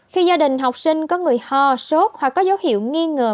khi gia đình học sinh có người ho sốt hoặc có dấu hiệu nghi ngờ